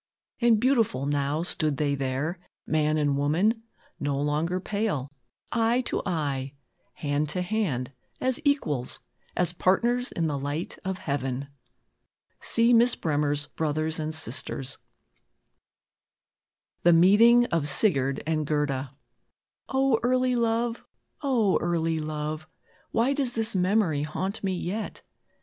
"And beautiful now stood they there, man and woman; no longer pale; eye to eye, hand to hand, as equals, as partners in the light of heaven." See Miss Bremer's "Brothers and Sisters." "O, early love! O, early love! Why does this memory haunt me yet?